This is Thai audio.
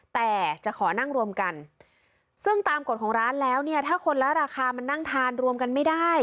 แต่จะขอนั่งรวมกันซึ่งตามกฎของร้านแล้วเนี่ยถ้าคนละราคามันนั่งทานรวมกันไม่ได้